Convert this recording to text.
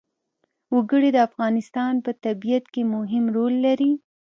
وګړي د افغانستان په طبیعت کې مهم رول لري.